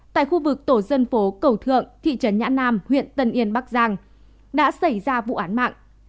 tại khu vực tổ dân phố cầu thượng thị trấn nhã nam huyện tân yên bắc giang đã xảy ra vụ án mạng